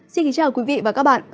xin kính chào quý vị và các bạn